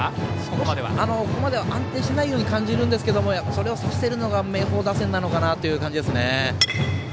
ここまでは安定していないように感じるんですけどそれをさせているのが明豊打線かなと思います。